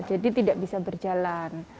jadi tidak bisa berjalan